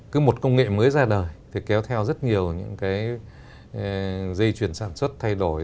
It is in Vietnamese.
cứ một công nghệ mới ra đời thì kéo theo rất nhiều những cái dây chuyển sản xuất thay đổi